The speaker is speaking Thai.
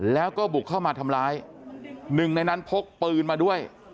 แล้วก็บุกเข้ามาทำร้ายหนึ่งในนั้นพกปืนมาด้วย